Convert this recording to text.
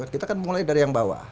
kita kan mulai dari yang bawah